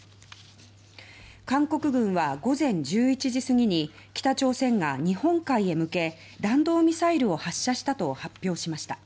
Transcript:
韓国軍は午前１１時過ぎに北朝鮮が日本海へ向け弾道ミサイルを発射したと発表しました。